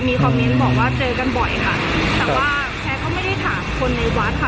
มีคอมเมนต์บอกว่าเจอกันบ่อยค่ะแต่ว่าแชร์ก็ไม่ได้ถามคนในวัดค่ะ